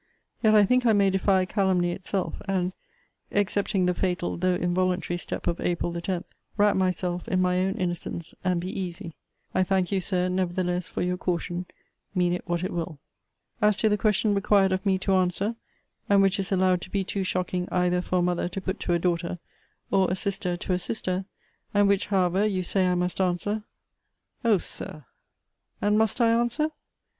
Yet I think I may defy calumny itself, and (excepting the fatal, though involuntary step of April 10) wrap myself in my own innocence, and be easy. I thank you, Sir, nevertheless, for your caution, mean it what it will. As to the question required of me to answer, and which is allowed to be too shocking either for a mother to put to a daughter, or a sister to a sister; and which, however, you say I must answer; O Sir! And must I answer?